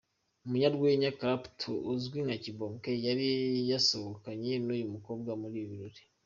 Umunyarwenya Clapton uzwi nka Kibonke yari yasohokanye n'uyu mukobwa muri ibi birori.